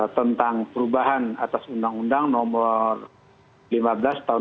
tentang perubahan atas undang undang nomor lima belas tahun dua ribu